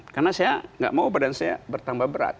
karena saya tidak mau badan saya bertambah berat